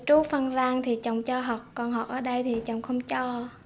trường phân rang thì chồng cho học còn học ở đây thì chồng không cho